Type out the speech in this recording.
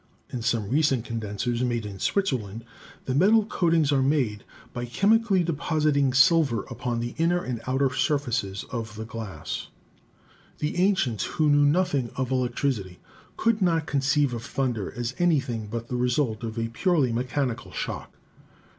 In some recent condensers, made in Switzer land, the metal coatings are made by chemically depositing silver upon the inner and outer surfaces of the glass. The ancients, who knew nothing of electricity, could not conceive of thunder as anything but the result of a purely mechanical shock.